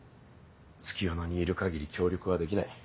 月夜野にいる限り協力はできない。